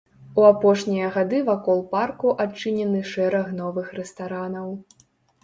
У апошнія гады вакол парку адчынены шэраг новых рэстаранаў.